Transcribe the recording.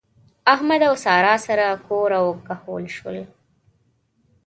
احمد او سارا سره کور او کهول شول.